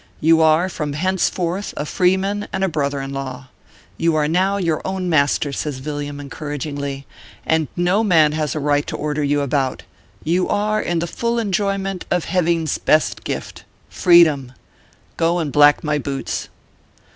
You are from henceforth a freeman and a brother in law. You are now your ORPHEUS C. KERR PAPERS. 321 own master," says Villiam, encouragingly, "and no man has a right to order you about. You are in the full enjoyment of Heving s best gift Freedom ! Go and black my boots."